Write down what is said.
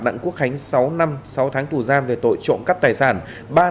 đặng quốc khánh sáu năm sáu tháng tù giam về tội trộm cắp tài sản